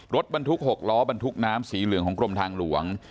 รถบรรทุก๖ล้อบรรทุกน้ำสีเหลืองของกรมทางหลวง